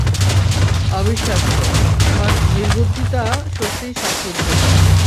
অবিশ্বাস্য, তোমার নির্বুদ্ধিতা সত্যিই শ্বাসরুদ্ধকর।